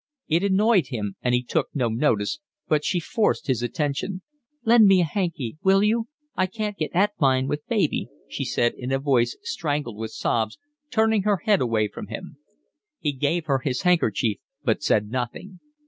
It annoyed him, and he took no notice, but she forced his attention. "Lend me a hanky, will you? I can't get at mine with baby," she said in a voice strangled with sobs, turning her head away from him. He gave her his handkerchief, but said nothing.